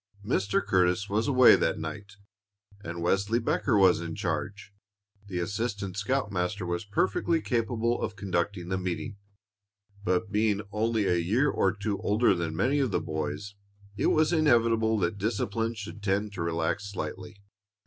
Mr. Curtis was away that night, and Wesley Becker was in charge. The assistant scoutmaster was perfectly capable of conducting the meeting, but being only a year or two older than many of the boys, it was inevitable that discipline should tend to relax slightly.